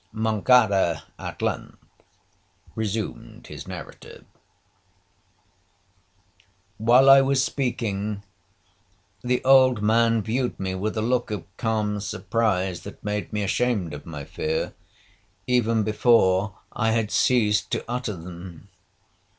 Monçada at length resumed his narrative. 'While I was speaking, the old man viewed me with a look of calm surprise, that made me ashamed of my fears, even before I had ceased to utter them.